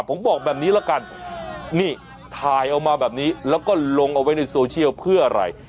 ผมบอกแบบนี้ละกันนี่ถ่ายเอามาแบบนี้แล้วก็ลงเอาไว้ในโซเชียลเพื่ออะไร